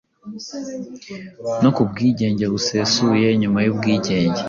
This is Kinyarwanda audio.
no ku bwigenge busesuye nyuma yubwigenge.